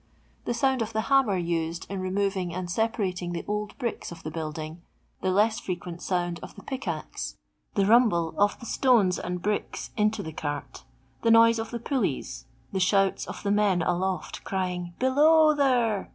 The sound of the hammer used in removing and separating the old bricks of the building, the less frequent sound of the pick axe, the rumble of the stones and bricks into the cart, th'.* noise of the pulleys, the shouts of the I men aloft, crying " be low there